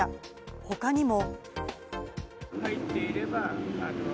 他にも。